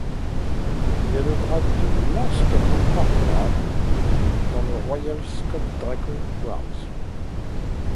Il a le grade de Lance Corporal dans les Royal Scots Dragoon Guards.